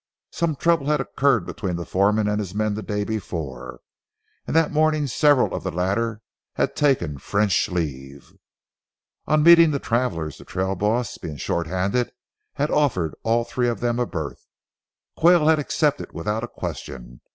Some trouble had occurred between the foreman and his men the day before, and that morning several of the latter had taken French leave. On meeting the travelers, the trail boss, being short handed, had offered all three of them a berth. Quayle had accepted without a question.